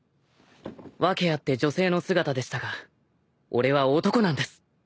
訳あって女性の姿でしたが俺は男なんです。